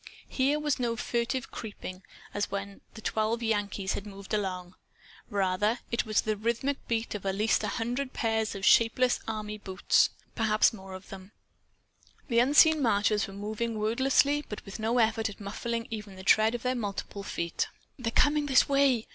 Here was no furtive creeping, as when the twelve Yankees had moved along. Rather was it the rhythmic beat of at least a hundred pairs of shapeless army boots perhaps of more. The unseen marchers were moving wordlessly, but with no effort at muffling the even tread of their multiple feet. "They're coming this way!"